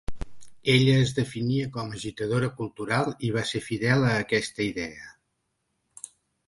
Ella es definia com ‘agitadora cultural’ i va ser fidel a aquesta idea.